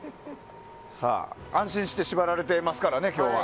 安心して縛られてますからね今日は。